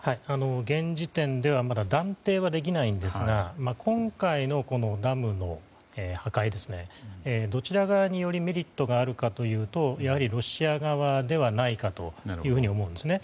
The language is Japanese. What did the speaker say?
現時点ではまだ断定はできないんですが今回のダムの破壊どちら側に、よりメリットがあるかというとやはりロシア側ではないかと思うんですね。